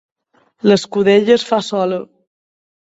L'escudella es fa sola.